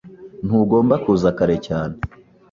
Ntugomba kuza kare cyane.